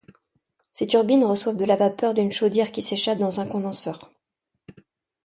Ces turbines reçoivent de la vapeur d'une chaudière qui s'échappe dans un condenseur.